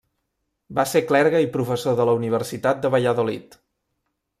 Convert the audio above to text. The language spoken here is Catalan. Va ser clergue i professor de la Universitat de Valladolid.